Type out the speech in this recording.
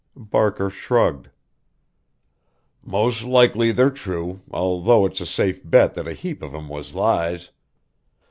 Barker shrugged. "Most likely they're true; although it's a safe bet that a heap of 'em was lies.